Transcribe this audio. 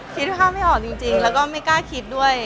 คิดภาพไม่ออกจริงแล้วก็ไม่กล้าคิดด้วย